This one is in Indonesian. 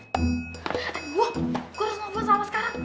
aduh gue harus ngambil salma sekarang